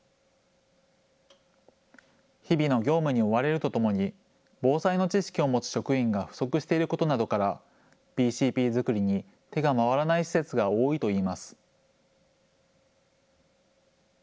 日々の業務に追われるとともに防災の知識を持つ職員が不足していることなどからＢＣＰ作りに手が回らない施設が多いといいます。